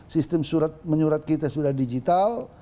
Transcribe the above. sistem surat menyurat kita sudah digital